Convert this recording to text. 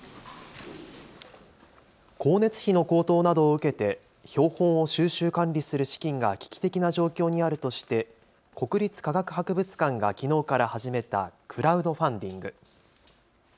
光熱費の高騰などを受けて標本を収集・管理する資金が危機的な状況にあるとして国立科学博物館がきのうから始めたクラウドファンディング。